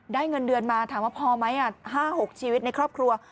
เงินเดือนมาถามว่าพอไหม๕๖ชีวิตในครอบครัว